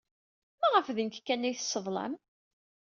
Maɣef d nekk kan ay tesseḍlam?